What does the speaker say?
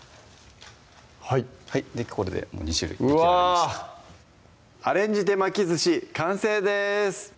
はいこれで２種類できました「アレンジ手巻き寿司」完成です